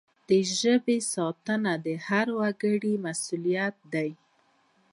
د ژبي ساتنه د هر وګړي مسؤلیت دی.